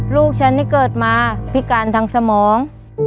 ลูกฉันนี่เกิดมาพิการทางสมอง